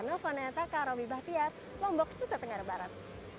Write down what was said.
nofonaya taka roby bahtiat lombok nusa tenggara barat